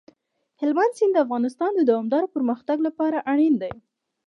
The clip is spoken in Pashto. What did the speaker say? هلمند سیند د افغانستان د دوامداره پرمختګ لپاره اړین دي.